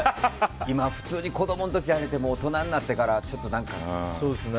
普通に子供の時はやってても大人になってからはちょっと何か。